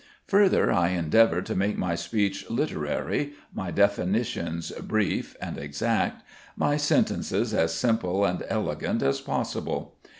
Further, I endeavour to make my speech literary, my definitions brief and exact, my sentences as simple and elegant as possible.